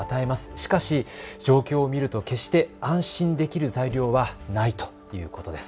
しかし、状況を見ると決して安心できる材料はないということです。